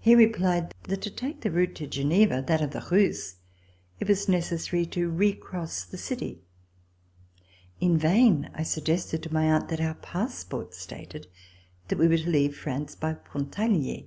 He replied that to take the route to Geneva, that of the Rousses, it was necessary to recross the city. In vain I suggested to my aunt that our passports stated that we were to leave France by Pontarlier.